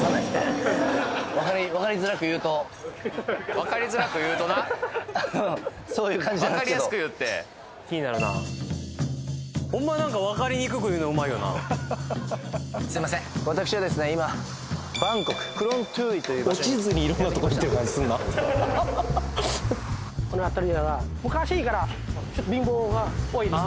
わかりづらく言うとなそういう感じなんですけど気になるなほんまなんかわかりにくく言うのうまいよなははははっすいません私はですね今バンコククローントゥーイという場所にオチずに色んなとこ行ってる感じすんなははははっこの辺りは昔からちょっと貧乏が多いです